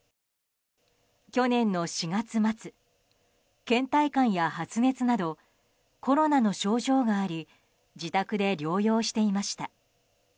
去年の４月末倦怠感や発熱などコロナの症状があり自宅で療養していました。